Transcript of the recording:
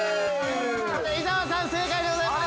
◆伊沢さん、正解でございます。